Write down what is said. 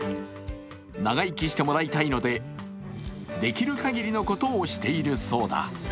長生きしてもらいたいので、できる限りのことをしているそうだ。